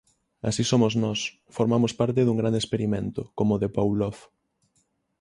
Así somos nós, formamos parte dun grande experimento, como o de Pavlov.